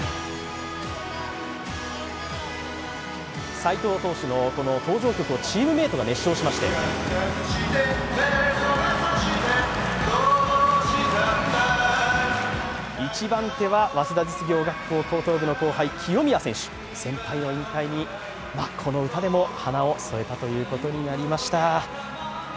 斎藤投手の登場曲をチームメイトが熱唱しまして一番手は早稲田実業学校高等部の後輩、清宮選手先輩の引退に、この歌でも華を添えたということになりました。